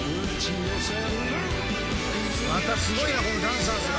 またすごいなこのダンサーズが。